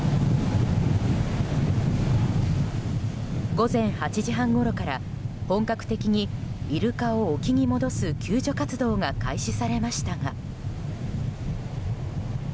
午前８時半ごろから本格的に、イルカを沖に戻す救助活動が開始されましたが。